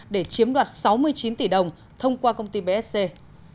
để chiếm đoạt sáu mươi chín tỷ đồng thông qua công ty bsc